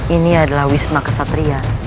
ini adalah wisma kesatria